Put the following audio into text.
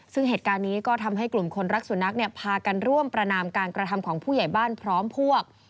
ซึ่งเหตุการณ์นี้ก็ทำให้กลุ่มคนรักสุนัขพากันร่วมประนามการกระทำของผู้ใหญ่บ้านพร้อมพวก